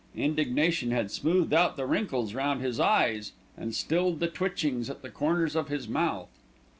Indignation had smoothed out the wrinkles round his eyes and stilled the twitchings at the corners of his mouth.